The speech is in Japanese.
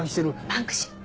バンクシー？